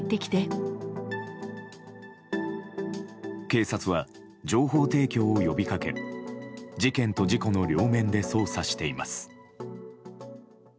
警察は情報提供を呼びかけ事件と事故の両面で捜査しています。